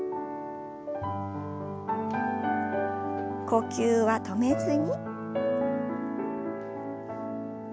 呼吸は止めずに。